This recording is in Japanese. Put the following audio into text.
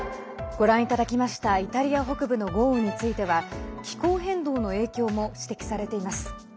ご覧いただきましたイタリア北部の豪雨については気候変動の影響も指摘されています。